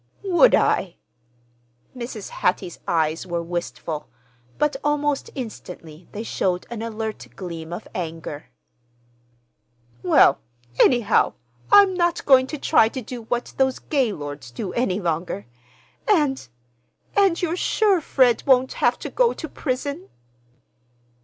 "Would I?" Mrs. Hattie's eyes were wistful, but almost instantly they showed an alert gleam of anger. "Well, anyhow, I'm not going to try to do what those Gaylords do any longer. And—and you're sure Fred won't have to go to prison?"